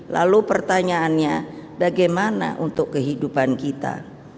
lalu pertanyaannya bagaimana untuk kehidupan kita